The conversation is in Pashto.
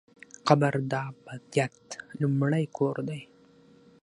قبر د ابدیت لومړی کور دی؟